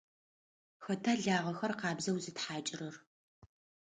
Хэта лагъэхэр къабзэу зытхьакӏырэр?